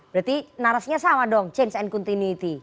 berarti narasinya sama dong change and continuity